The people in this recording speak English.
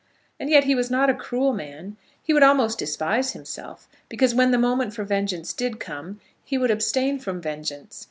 And yet he was not a cruel man. He would almost despise himself, because when the moment for vengeance did come, he would abstain from vengeance.